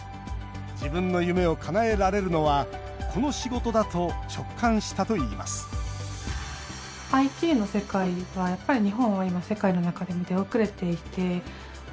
自分の夢をかなえられるのはこの仕事だと直感したといいます開店から、およそ１年。